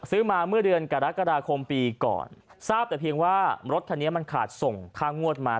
ซื้อมาเมื่อเดือนกรกฎาคมปีก่อนทราบแต่เพียงว่ารถคันนี้มันขาดส่งค่างวดมา